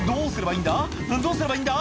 「どうすればいいんだ？